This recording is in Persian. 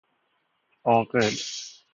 عاقل